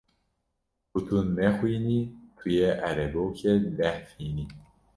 Ku tu nexwînî tu yê erebokê dehfînî.